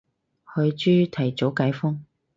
海珠提早解封